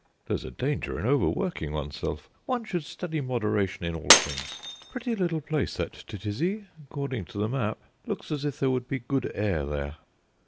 "There's a danger in overworking oneself. One should study moderation in all things. Pretty little place, that Titisee, according to the map; looks as if there would be good air there."